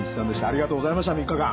ありがとうございました３日間。